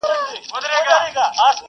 که زما د خاموشۍ ژبه ګویا سي,